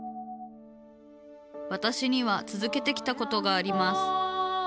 わたしにはつづけてきたことがあります。